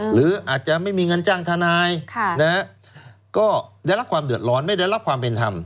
หรืออาจจะไม่มีเงินจ้างทนายก็ได้รับความเดือดร้อนไม่ได้รับความเป็นธรรม